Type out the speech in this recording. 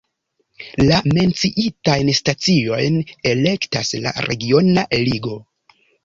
La menciitajn staciojn elektas la regiona ligo.